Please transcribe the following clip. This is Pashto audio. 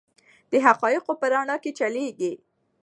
د حقایقو په رڼا کې چلیږي.